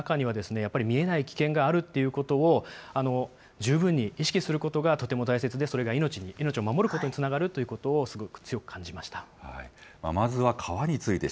川の中には見えない危険があるということを、十分に意識することがとても大切で、それが命を守ることにつながるということをすごく強く感じました。